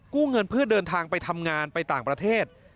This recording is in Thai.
เงินเพื่อเดินทางไปทำงานไปต่างประเทศ